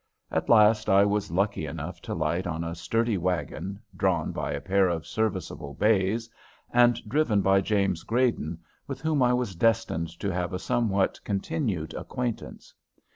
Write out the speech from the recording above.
At last I was lucky enough to light on a sturdy wagon, drawn by a pair of serviceable bays, and driven by James Grayden, with whom I was destined to have a somewhat continued acquaintance.